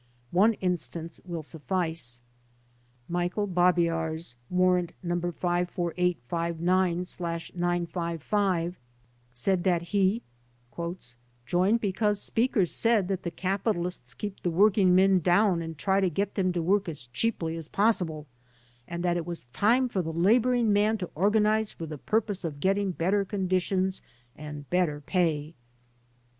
One instance will sufHce. Michael Babiarz (Warrant No. 54859/955) said that he: "Joined because speakers said that the capitalists keep the working men down and try to get them to work as cheaply as possible and that it was time for the laboring man to organize for the purpose of getting better conditions and better pay."